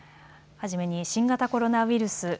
初めに新型コロナウイルス